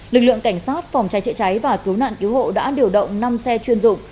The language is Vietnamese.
lực lượng cảnh sát phòng cháy chữa cháy và cứu nạn cứu hộ đã điều động năm xe chuyên dụng